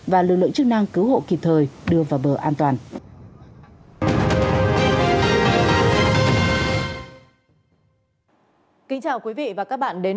và lực lượng chức năng cứu hộ kịp thời đưa vào bờ an toàn